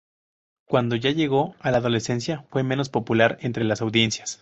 Cuando ya llegó a la adolescencia, fue menos popular entre las audiencias.